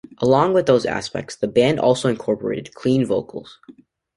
Along with those aspects, the band also incorporated clean vocals.